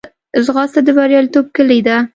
ځغاسته د بریالیتوب کلۍ ده